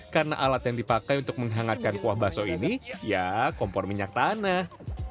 karena alat yang dipakai untuk menghangatkan kuah baso ini ya kompor minyak tanah